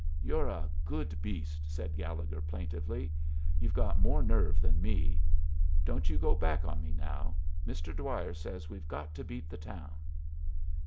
"You're a good beast," said Gallegher, plaintively. "You've got more nerve than me. Don't you go back on me now. Mr. Dwyer says we've got to beat the town."